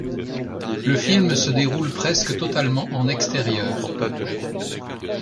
Le film se déroule presque totalement en extérieur.